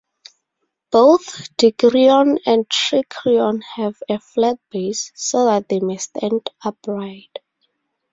Both dikirion and trikirion have a flat base, so that they may stand upright.